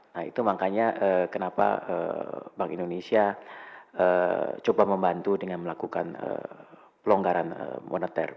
nah itu makanya kenapa bank indonesia coba membantu dengan melakukan pelonggaran moneter